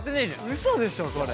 うそでしょこれ。